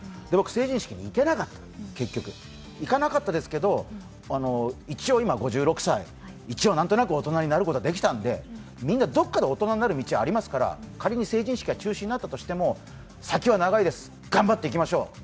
で、僕、成人式に行けなかったの行かなかったですけど、一応今、５６歳、一応、何とか大人になることができたんでみんな、どこかで大人になる道はありますから、仮に成人式が中止になったとしても先は長いです、頑張っていきましょう。